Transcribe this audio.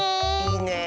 いいね。